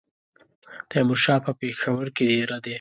تیمورشاه په پېښور کې دېره دی.